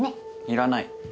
いらない。